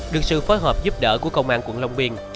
được sự phối hợp giúp đỡ của công an quận long biên